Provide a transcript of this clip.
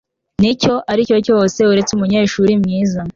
Nicyo aricyo cyose uretse umunyeshuri mwiza